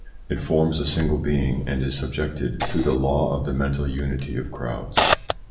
It forms a single being, and is subjected to the LAW OF THE MENTAL UNITY OF CROWDS.